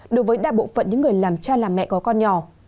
đối với đa bộ phận những người làm cha làm mẹ có con nhỏ